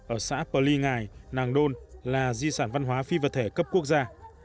ở xã pờ ly ngài nàng đôn là di sản văn hóa phi vật thể cấp quốc gia